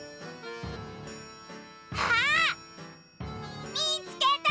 あっ！みつけた！